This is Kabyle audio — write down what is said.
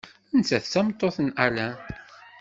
Nettat d tameṭṭut n Alain.